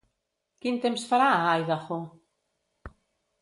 Quin temps farà a Idaho?